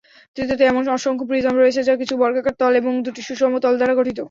তৃতীয়ত এমন অসংখ্য প্রিজম রয়েছে যা কিছু বর্গাকার তল এবং দুটি সুষম তল দ্বারা গঠিত।